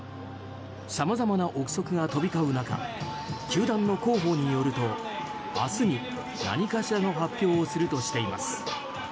さまざまな憶測が飛び交う中球団の広報によると明日に何かしらの発表をするとしています。